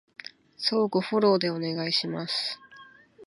相互フォローでお願いします